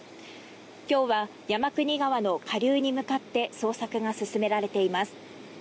今日は山国川の下流に向かって捜索が進められています。